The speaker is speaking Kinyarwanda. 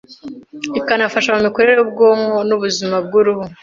ikanafasha mu mikorere y’ubwonko n’ubuzima bw’uruhu